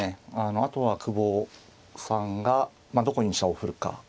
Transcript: あとは久保さんがどこに飛車を振るか。